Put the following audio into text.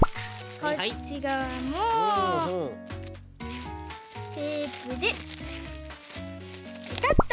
こっちがわもテープでペタッと！